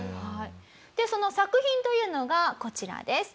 でその作品というのがこちらです。